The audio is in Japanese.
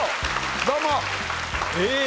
どうもえっ